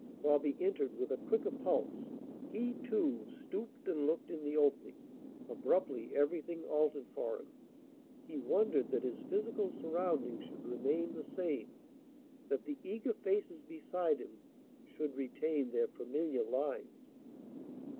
Bobby entered with a quicker pulse. He, too, stooped and looked in the opening. Abruptly everything altered for him. He wondered that his physical surroundings should remain the same, that the eager faces beside him should retain their familiar lines.